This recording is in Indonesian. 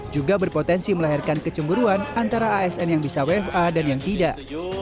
juga berpotensi melahirkan kecemburuan antara asn yang bisa wfa dan yang tidak